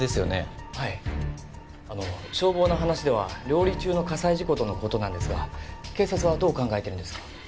あの消防の話では料理中の火災事故との事なんですが警察はどう考えてるんですか？